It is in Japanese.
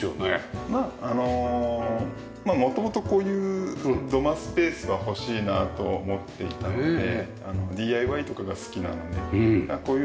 あのもともとこういう土間スペースが欲しいなと思っていたのでＤＩＹとかが好きなのでこういうのは作ろうと。